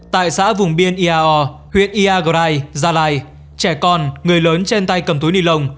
tại xã vùng biên iao huyện iagrai gia lai trẻ con người lớn trên tay cầm túi nilon